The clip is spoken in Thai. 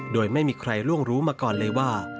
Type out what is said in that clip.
โดยไม่มีใครล่วงรู้มาก่อนเลยว่า